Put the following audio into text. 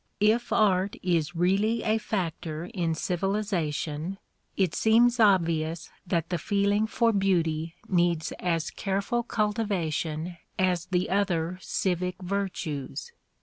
If art is really a factor in civilization, it seems obvious that the feeling for beauty needs as careful cultivation as the other civic virtues.